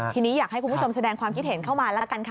ทีนี้อยากให้คุณผู้ชมแสดงความคิดเห็นเข้ามาแล้วละกันค่ะ